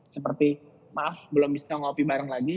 seperti maaf belum bisa ngopi bareng lagi